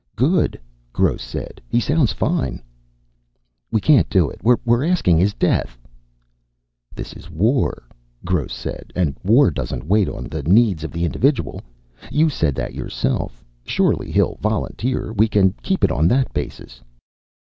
"Good," Gross said. "He sounds fine." "We can't do it. We're asking his death!" "This is war," Gross said, "and war doesn't wait on the needs of the individual. You said that yourself. Surely he'll volunteer; we can keep it on that basis."